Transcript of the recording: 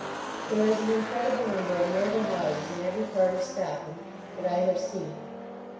There is an incredible number of noble houses in every part of Scotland that I have seen.